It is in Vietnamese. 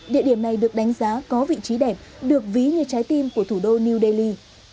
địa điểm này được đánh giá có vị trí đẹp được ví như trái tim của thủ đô new delhi